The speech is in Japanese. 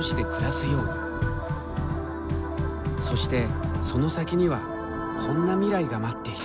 そしてその先にはこんな未来が待っていた。